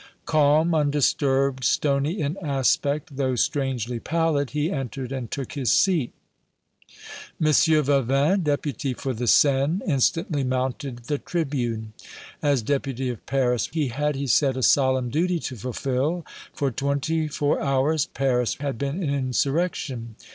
Calm, undisturbed, stony in aspect, though strangely pallid, he entered and took his seat. M. Vavin, Deputy for the Seine, instantly mounted the tribune. As Deputy of Paris he had, he said, a solemn duty to fulfill. For twenty four hours Paris had been in insurrection.